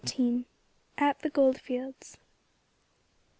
AT THE GOLD FIELDS.